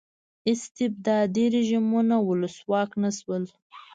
استبدادي رژیمونو ولسواک نه شول.